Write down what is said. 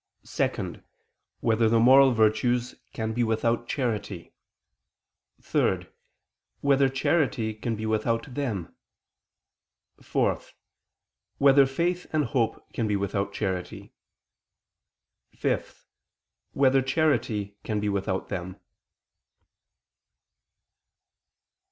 (2) Whether the moral virtues can be without charity? (3) Whether charity can be without them? (4) Whether faith and hope can be without charity? (5) Whether charity can be without them?